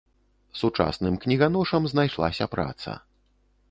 Сучасным кніганошам знайшлася праца.